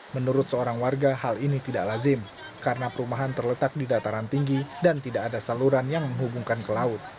menurut seorang warga hal ini tidak lazim karena perumahan terletak di dataran tinggi dan tidak ada saluran yang menghubungkan ke laut